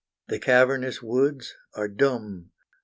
The cavernous woods are dumb!